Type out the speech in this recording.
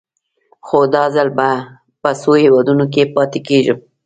خو دا ځل به په څو هېوادونو کې پاتې کېږم.